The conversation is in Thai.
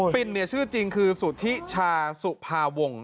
ปิ่นชื่อจริงคือสุธิชาสุภาวง